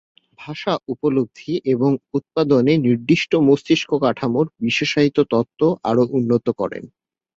ভাষা উপলব্ধি এবং উৎপাদনে নির্দিষ্ট মস্তিষ্ক কাঠামোর বিশেষায়িত তত্ত্ব আরো উন্নত করেন।